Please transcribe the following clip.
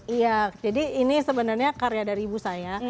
iya jadi ini sebenarnya karya dari ibu saya